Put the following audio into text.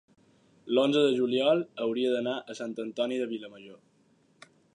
l'onze de juliol hauria d'anar a Sant Antoni de Vilamajor.